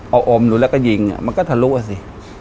เอาอมดูแล้วก็ยิงมันก็ทะลุอ่ะสิ